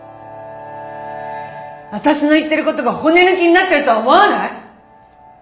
私の言ってることが骨抜きになってるとは思わない？